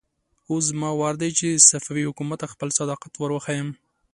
اوس زما وار دی چې صفوي حکومت ته خپل صداقت ور وښيم.